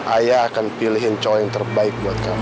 ayah akan pilihin cowok yang terbaik buat kamu